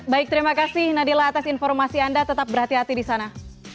baik terima kasih nadila atas informasi anda tetap berhati hati di sana